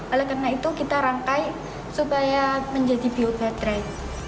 oleh karena itu kita rangkai supaya menjadi biobaterai